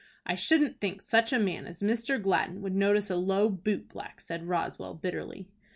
"I shouldn't think such a man as Mr. Gladden would notice a low boot black," said Roswell, bitterly.